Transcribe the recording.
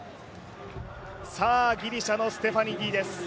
ギリシャのステファニディです。